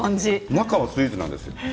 中はスイーツなんですよ。